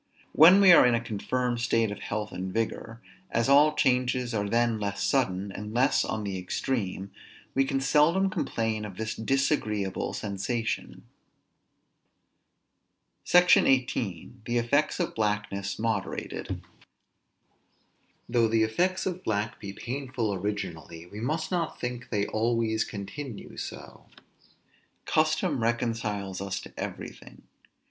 When we are in a confirmed state of health and vigor, as all changes are then less sudden, and less on the extreme, we can seldom complain of this disagreeable sensation. SECTION XVIII. THE EFFECTS OF BLACKNESS MODERATED. Though the effects of black be painful originally, we must not think they always continue so. Custom reconciles us to everything.